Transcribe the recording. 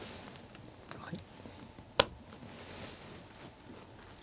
はい。